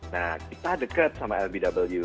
nah kita deket sama lbw